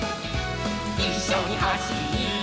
「いっしょにはしって」